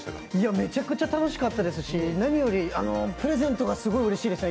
めちゃくちゃ楽しかったですし、何よりプレゼントがすごいうれしいですね。